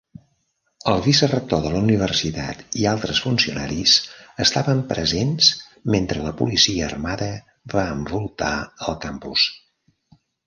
El vicerector de la universitat i altres funcionaris estaven presents mentre la policia armada va envoltar el campus.